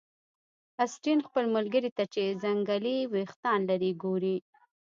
اسټین خپل ملګري ته چې ځنګلي ویښتان لري ګوري